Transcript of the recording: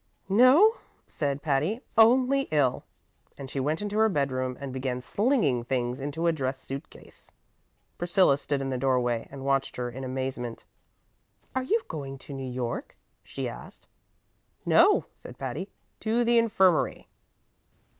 "No," said Patty; "only ill." And she went into her bedroom and began slinging things into a dress suit case. Priscilla stood in the doorway and watched her in amazement. "Are you going to New York?" she asked. "No," said Patty; "to the infirmary."